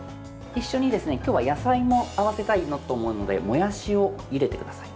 一緒に今日は野菜も合わせたいと思うのでもやしをゆでてください。